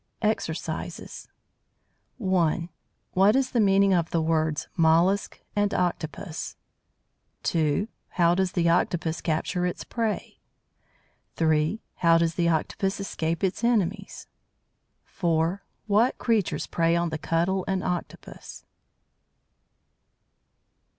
EXERCISES 1. What is the meaning of the words "mollusc" and "octopus"? 2. How does the Octopus capture its prey? 3. How does the Octopus escape its enemies? 4. What creatures prey on the Cuttle and Octopus?